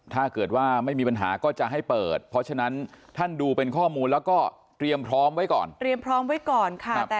ถ้าเกิดว่าไม่มีปัญหาก็จะให้เปิดเพราะฉะนั้นท่านดูเป็นข้อมูลแล้วก็เตรียมพร้อมไว้ก่อน